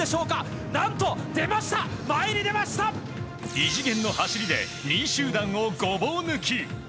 異次元の走りで２位集団を、ごぼう抜き。